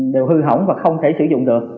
đều hư hỏng và không thể sử dụng được